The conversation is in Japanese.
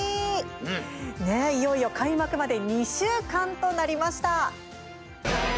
いよいよ開幕まで２週間となりました。